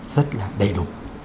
rất là đầy đủ